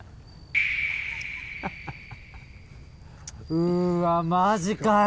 うわっマジかよ。